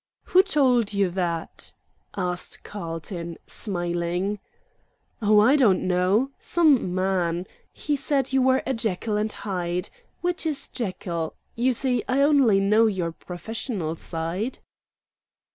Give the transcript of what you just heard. "Who told you that?" asked Carlton, smiling. "Oh, I don't know. Some man. He said you were a Jekyll and Hyde. Which is Jekyll? You see, I only know your professional side."